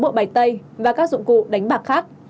bộ bài tay và các dụng cụ đánh bạc khác